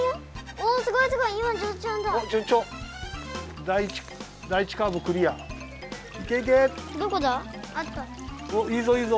おいいぞいいぞ。